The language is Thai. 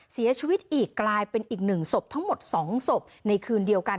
เสียชีวิตอีกกลายเป็นอีก๑ศพทั้งหมด๒ศพในคืนเดียวกัน